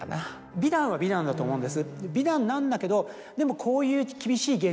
美談は美談だと思うんです。